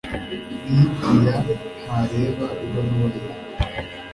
Lidia ntarareba ibaruwa ye.